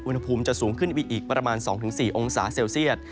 อุณหภูมิจะสูงขึ้นไปอีกประมาณ๒๔องศาเซลเซียต